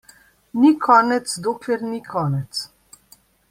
Ni konec, dokler ni konec.